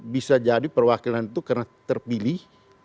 bisa jadi perwakilan itu karena terpilih